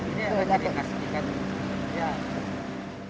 ini ada dikas ikan di sini